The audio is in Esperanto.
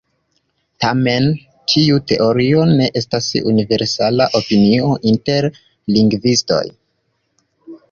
Tamen, tiu teorio ne estas universala opinio inter lingvistoj.